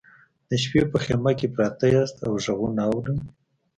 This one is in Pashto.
د شپې په خیمه کې پراته یاست او غږونه اورئ